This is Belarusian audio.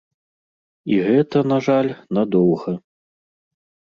І гэта, на жаль, надоўга.